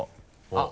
あっ！